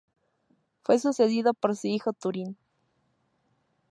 Fue sucedido por su hijo Túrin